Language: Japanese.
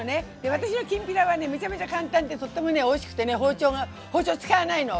私のきんぴらはねめちゃめちゃ簡単でとってもねおいしくてね包丁使わないの。